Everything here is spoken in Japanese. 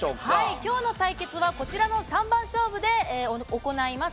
きょうの対決はこちらの三番勝負で行います。